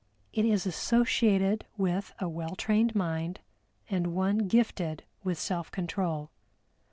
It is associated with a well trained mind and one gifted with self control.